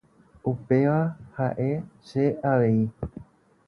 Upéva ha'e che avei.